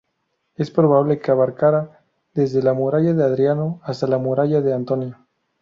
Es probable que abarcara desde la Muralla de Adriano hasta la Muralla de Antonino.